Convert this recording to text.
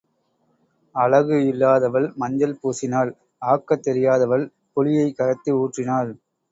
அழகு இல்லாதவள் மஞ்சள் பூசினாள் ஆக்கத் தெரியாதவள் புளியைக் கரைத்து ஊற்றினாள்.